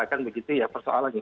kan begitu ya persoalannya